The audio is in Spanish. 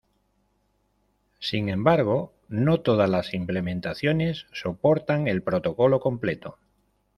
Sin embargo, no todas las implementaciones soportan el protocolo completo.